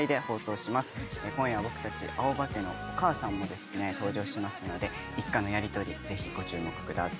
今夜僕たち青羽家のお母さんもですね登場しますので一家のやりとりぜひご注目ください。